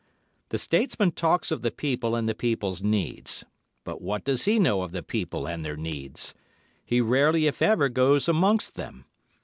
The statesman talks of the people and the people's needs, but what does he know of the people and their needs? He rarely, if ever, goes amongst them.